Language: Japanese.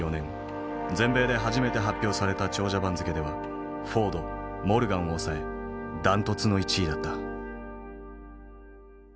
全米で初めて発表された長者番付ではフォードモルガンを抑え断トツの１位だった。